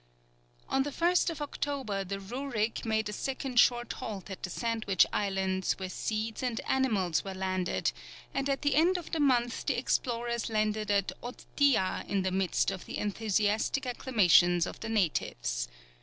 On the 1st October the Rurik made a second short halt at the Sandwich Islands where seeds and animals were landed, and at the end of the month the explorers landed at Otdia in the midst of the enthusiastic acclamations of the natives.